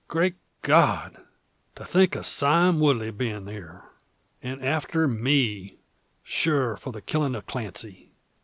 Great God! To think of Sime Woodley being here! And after me, sure, for the killing of Clancy!